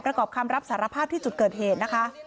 ประกอบคำรับสารภาพที่จุดเกิดเหตุนะคะ